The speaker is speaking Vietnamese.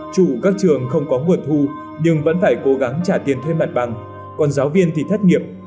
chủ các trường không có nguồn thu nhưng vẫn phải cố gắng trả tiền thuê mặt bằng còn giáo viên thì thất nghiệp